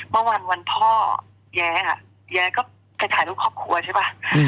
เมื่อวันวันพ่อแย้ค่ะแย้ก็ไปถ่ายรูปครอบครัวใช่ป่ะ